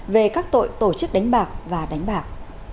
về các tội tổ chức đánh bạc và đánh bạc